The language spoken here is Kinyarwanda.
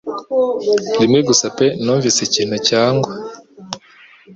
Rimwe gusa pe numvise ikintu cyangwa